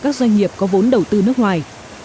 các doanh nghiệp có vốn đầu tư nước ngoài